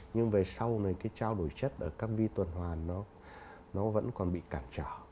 nhưng về sau này cái trao đổi chất ở các vi tuần hoàn nó vẫn còn bị cản trở